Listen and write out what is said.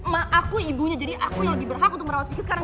mak aku ibunya jadi aku yang lebih berhak untuk merawat siku sekarang